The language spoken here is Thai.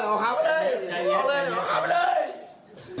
นี่เอาเมียผมมาคุยด้านคุย